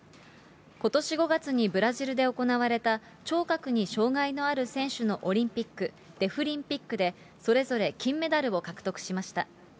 ことし５月にブラジルで行われた聴覚に障害のある選手のオリンピック、デフリンピックで、それぞれ金メダルを獲得しました。